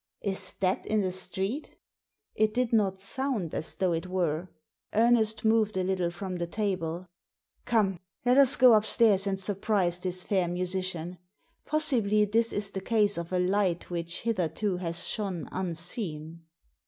"Is that in the street?" It did not sound as though it were. Ernest moved a little from the table. ''Come! let us go upstairs and surprise this fair musician. Possibly this is the case of a light which hitherto has shone unseen."